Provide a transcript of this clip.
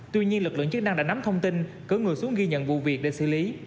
tuy nhiên lực lượng chức năng đã nắm thông tin cử người xuống ghi nhận vụ việc để xử lý